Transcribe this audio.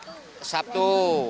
sampai garut sabtu